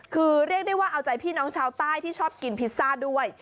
คือเรียกได้ว่าเอาใจพี่น้องชาวใต้ที่ชอบกินพิซซ่าด้วย